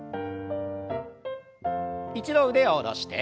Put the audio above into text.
一度腕を下ろして。